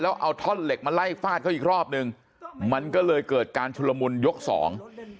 เอาท่อนเหล็กมาไล่ฟาดเขาอีกรอบหนึ่งมันก็เลยเกิดการชุลมุนยกสอง